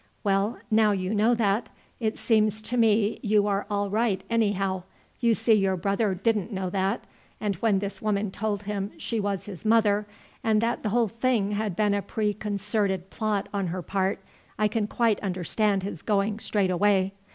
Well, now you know that, it seems to me you are all right anyhow. You see your brother didn't know that, and when this woman told him she was his mother, and that the whole thing had been a preconcerted plot on her part, I can quite understand his going straight away.